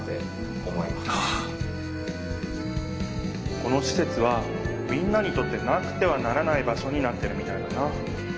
このしせつはみんなにとってなくてはならない場所になってるみたいだな。